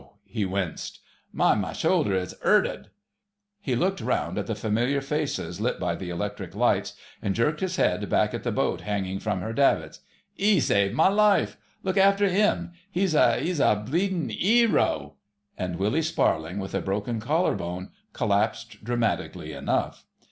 He winced, "Min' my shoulder—it's 'urted...." He looked round at the familiar faces lit by the electric lights, and jerked his head back at the boat hanging from her davits. "'E saved my life—look after 'im. 'E's a ... e's a—bleedin' 'ero, ..." and Willie Sparling, with a broken collar bone, collapsed dramatically enough.